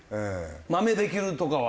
マメできるとかは？